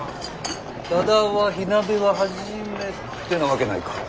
多田は火鍋は初めてなわけないか。